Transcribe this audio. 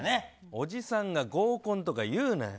おじさんが合コンとか言うなよ。